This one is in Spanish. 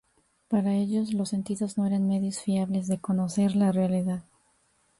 Para ellos, los sentidos no eran medios fiables de conocer la realidad.